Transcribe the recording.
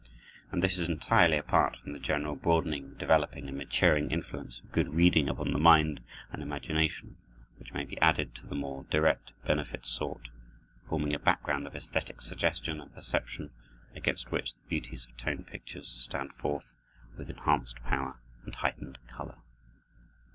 And this is entirely apart from the general broadening, developing, and maturing influence of good reading upon the mind and imagination, which may be added to the more direct benefit sought, forming a background of esthetic suggestion and perception, against which the beauties of tone pictures stand forth with enhanced power and heightened color.